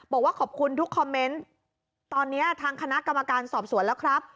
บอกว่าขอบคุณทุกคอมเมนต์ตอนนี้ทางคณะกรรมการสอบสวนแล้วครับ